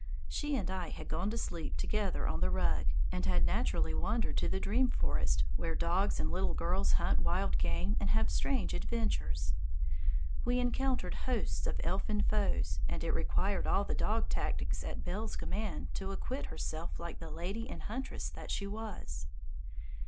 She and I had gone to sleep together on the rug, and had naturally wandered to the dream forest where dogs and little girls hunt wild game and have strange adventures. We encountered hosts of elfin foes, and it required all the dog tactics at Belle's command to acquit herself like the lady and huntress that she was.